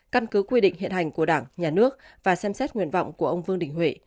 căn cứ quy định hiện hành của đảng nhà nước và xem xét nguyện vọng của ông vương đình huệ